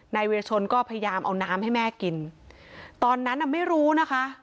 เวรชนก็พยายามเอาน้ำให้แม่กินตอนนั้นน่ะไม่รู้นะคะ